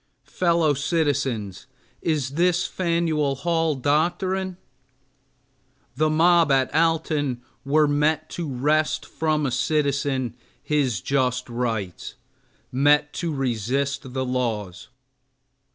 Fellow citizens, is this Fanueil Hall doctrine? The mob at Alton were met to wrest from a citizen his just rights, met to resist the laws.